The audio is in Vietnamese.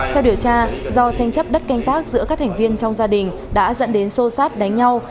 theo điều tra do tranh chấp đất canh tác giữa các thành viên trong gia đình đã dẫn đến sô sát đánh nhau